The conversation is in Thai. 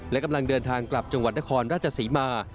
และกำลังเดินทางกลับจังหวัดนครราชศรีมา